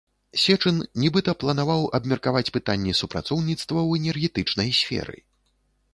Сечын, нібыта, планаваў абмеркаваць пытанні супрацоўніцтва ў энергетычнай сферы.